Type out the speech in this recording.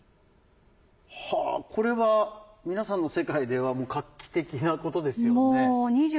はぁこれは皆さんの世界ではもう画期的なことですよね。